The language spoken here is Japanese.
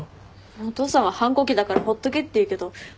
お父さんは反抗期だからほっとけって言うけど反抗期にしては。